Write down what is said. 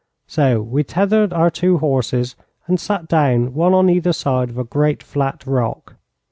So we tethered our two horses and sat down one on either side of a great flat rock.